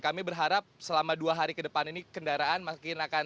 kami berharap selama dua hari ke depan ini kendaraan makin akan